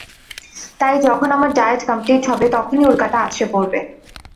তাই যখন আমার ডায়েট কমপ্লিট হবে তখনই উল্কাটা আছড়ে পড়বে!